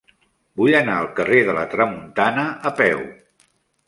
Vull anar al carrer de la Tramuntana a peu.